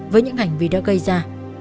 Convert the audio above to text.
với những hành vi đã gây ra